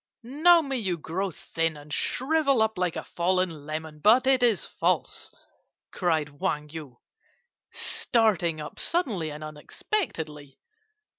"Now may you grow thin and shrivel up like a fallen lemon; but it is false!" cried Wang Yu, starting up suddenly and unexpectedly.